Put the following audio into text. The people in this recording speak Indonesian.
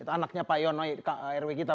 itu anaknya pak yono itu ru kita